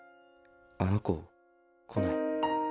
あの子来ない。